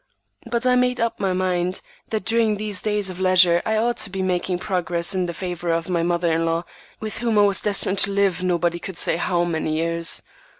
But I made up my mind that during these days of leisure I ought to be making progress in the favor of my mother in law, with whom I was destined to live, nobody could say how many years.